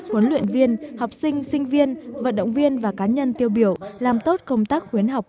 huấn luyện viên học sinh sinh viên vận động viên và cá nhân tiêu biểu làm tốt công tác khuyến học